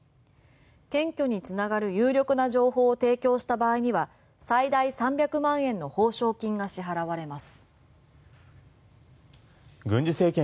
検挙に繋がる有力な情報を提供した場合には最大３００万円の報奨金が支払われます。